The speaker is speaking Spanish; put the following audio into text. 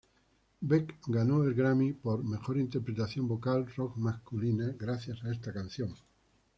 Beck ganó el Grammy por "Mejor Interpretación Vocal Rock Masculina" gracias a esta canción.